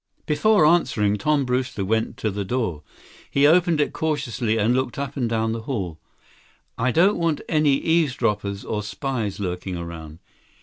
Before answering, Tom Brewster went to the door. He opened it cautiously and looked up and down the hall. "I don't want any eavesdroppers or spies lurking around."